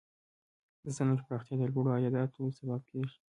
د صنعت پراختیا د لوړو عایداتو سبب کیږي.